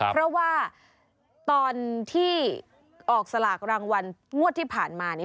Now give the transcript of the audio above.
เพราะว่าตอนที่ออกสลากรางวัลงวดที่ผ่านมานี้